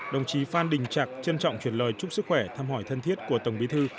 đồng chí phan đình trạc trân trọng truyền lời chúc sức khỏe thăm hỏi thân thiết của tổng bí thư